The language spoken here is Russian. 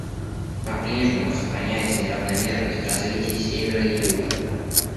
По-прежнему сохраняется неравномерность в развитии Севера и Юга.